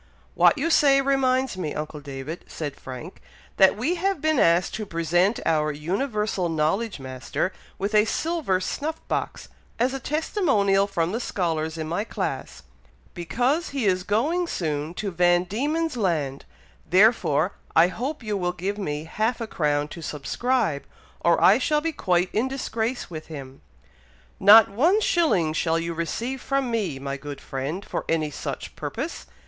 "What you say reminds me, uncle David," said Frank, "that we have been asked to present our Universal Knowledge Master with a silver snuff box, as a testimonial from the scholars in my class, because he is going soon to Van Dieman's Land, therefore I hope you will give me half a crown to subscribe, or I shall be quite in disgrace with him." "Not one shilling shall you receive from me, my good friend, for any such purpose!